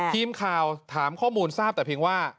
ทีมข่าวถามข้อมูลทราบแต่เพียงว่า